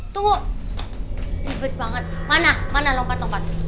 tuh ribet banget mana mana lompat lompat